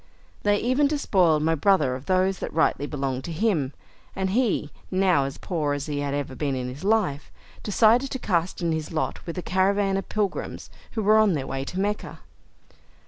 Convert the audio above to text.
They even despoiled my brother of those that rightly belonged to him, and he, now as poor as he had ever been in his life, decided to cast in his lot with a caravan of pilgrims who were on their way to Mecca.